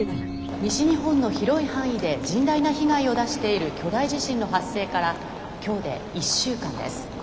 「西日本の広い範囲で甚大な被害を出している巨大地震の発生から今日で１週間です。